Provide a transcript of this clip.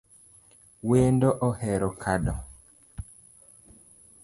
Wendo ohero kado